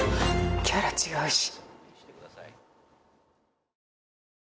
キャラ違うし。